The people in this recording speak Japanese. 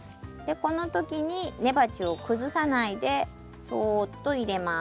この時に根鉢をくずさないでそっと入れます。